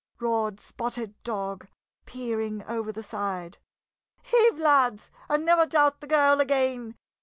roared Spotted Dog, peering over the side. "Heave, lads, and never doubt the girl again!